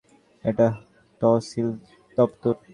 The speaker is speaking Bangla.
এটা তহসিল দপ্তর।